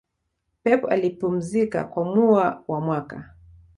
pep alipumzika kwa muwa wa mwaka